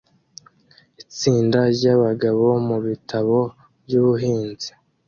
Itsinda ryabagabo mubitabo byubuhanzi